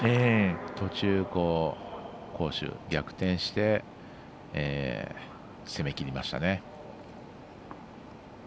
途中、攻守逆転して攻めきりましたね。